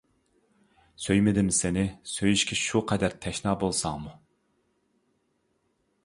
سۆيمىدىم سېنى، سۆيۈشكە شۇ قەدەر تەشنا بولساڭمۇ!